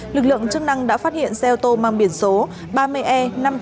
lực lượng chức năng đã phát hiện xe ô tô mang biển số ba mươi e năm nghìn chín trăm hai mươi hai